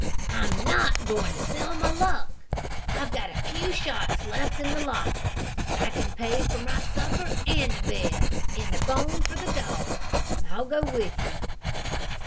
"I'm not going to sell my luck. I've got a few shots left in the locker. I can pay for my supper and a bed, and a bone for the dog. I'll go with you."